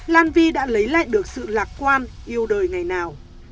lan vi đã lấy lại được sự lạc quan yêu đời ngày nào